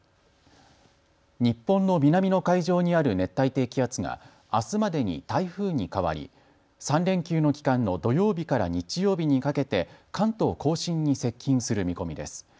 日本の南の海上にある熱帯低気圧があすまでに台風に変わり３連休の期間の土曜日から日曜日にかけて関東甲信に接近する見込みです。